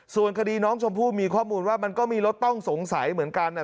ส่วนคดีน้องชมพู่มีข้อมูลว่ามันก็มีรถต้องสงสัยเหมือนกัน